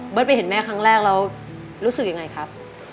ไปเห็นแม่ครั้งแรกแล้วรู้สึกยังไงครับ